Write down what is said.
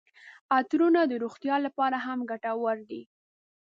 عطرونه د روغتیا لپاره هم ګټور دي.